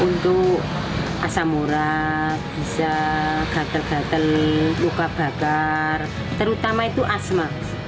untuk asam urat bisa gatal gatal luka bakar terutama itu asma